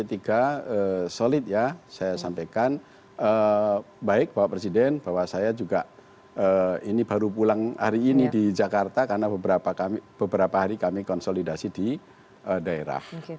solid ya saya sampaikan baik bapak presiden bahwa saya juga ini baru pulang hari ini di jakarta karena beberapa hari kami konsolidasi di daerah